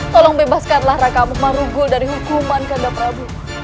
tolong bebaskanlah ranggabwana dari hukuman kanda prabu